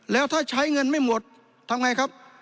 แล้วถ้าใช้เงินไม่หมดทำไงครับ